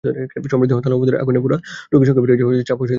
সম্প্রতি হরতাল-অবরোধের আগুনে পোড়া রোগীর সংখ্যা বেড়ে যাওয়ায় চাপ আরও বেড়েছে।